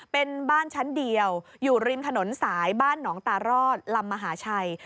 เป็นบ้านชั้นเดียวอยู่ริมถนนสายบ้านหนองตารอดลำมหาชัย